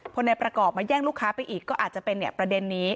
พอในประกอบมาแย่งลูกค้าไปอีกก็อาจจะเป็นประเด็นนี้